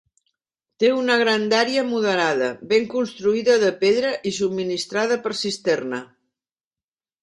Té una grandària moderada, ben construïda de pedra i subministrada per cisterna.